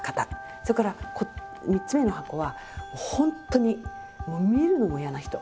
それから３つ目の箱は本当に見るのも嫌な人。